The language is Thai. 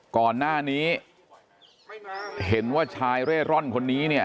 ก่อนหน้านี้เห็นว่าชายเร่ร่อนคนนี้เนี่ย